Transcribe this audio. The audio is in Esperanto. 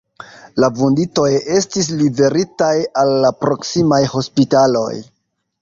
La vunditoj estis liveritaj al la proksimaj hospitaloj.